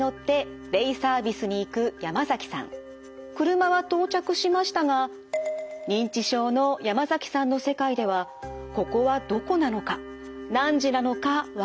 車は到着しましたが認知症の山崎さんの世界ではここはどこなのか何時なのかわからなくなっていました。